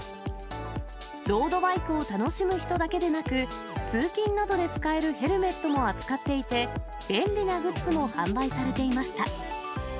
ロードバイクを楽しむ人だけでなく、通勤などで使えるヘルメットも扱っていて、便利なグッズも販売されていました。